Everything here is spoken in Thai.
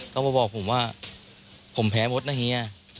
ก็มาบอกผมว่าผมแพ้มดนะเฮีย